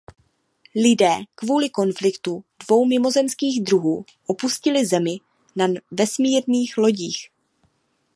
Lidé kvůli konfliktu dvou mimozemských druhů opustili Zemi na vesmírných lodích.